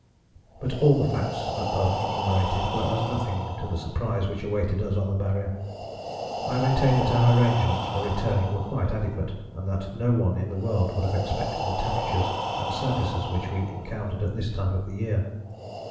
But all the facts above enumerated were as nothing to the surprise which awaited us on the Barrier. I maintain that our arrangements for returning were quite adequate, and that no one in the world would have expected the temperatures and surfaces which we encountered at this time of the year.